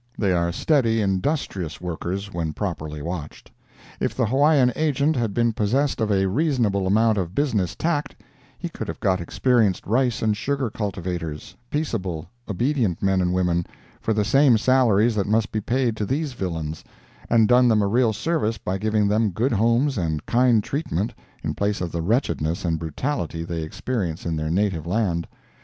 They are steady, industrious workers when properly watched. If the Hawaiian agent had been possessed of a reasonable amount of business tact he could have got experienced rice and sugar cultivators—peaceable, obedient men and women—for the same salaries that must be paid to these villains, and done them a real service by giving them good homes and kind treatment in place of the wretchedness and brutality they experience in their native land.